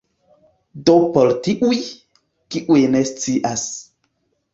Do por tiuj, kiuj ne scias